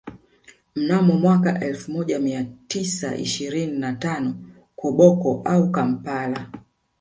Mnamo mwaka elfu moja mia tisa ishirini na tano Koboko au Kampala